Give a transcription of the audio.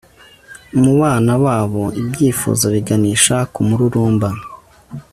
mu bana babo ibyifuzo biganisha ku mururumba